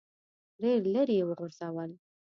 ډېر لیرې یې وغورځول.